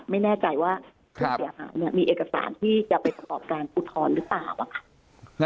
ไม่แน่ใจว่ามีเอกสารที่จะไปประกอบการอุตรรหรือเปล่า